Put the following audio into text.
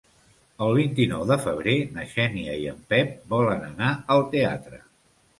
El vint-i-nou de febrer na Xènia i en Pep volen anar al teatre.